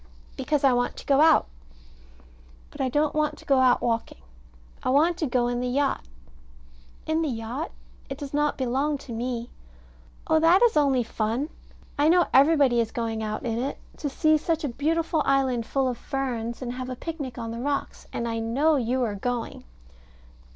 Because I want to go out. But I don't want to go out walking. I want to go in the yacht. In the yacht? It does not belong to me. Oh, that is only fun. I know everybody is going out in it to see such a beautiful island full of ferns, and have a picnic on the rocks; and I know you are going.